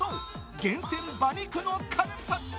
厳選馬肉のカルパッチョ。